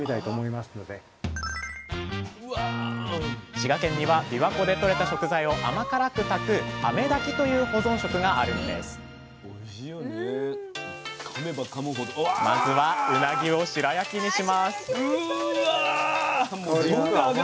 滋賀県にはびわ湖でとれた食材を甘辛く炊く「あめ炊き」という保存食があるんですまずはうなぎを白焼きにします